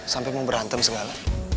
sampai mau berantem segala